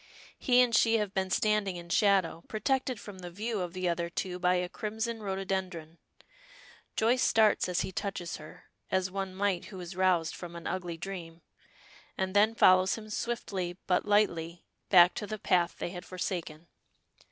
He and she have been standing in shadow, protected from the view of the other two by a crimson rhododendron. Joyce starts as he touches her, as one might who is roused from an ugly dream, and then follows him swiftly, but lightly, back to the path they had forsaken.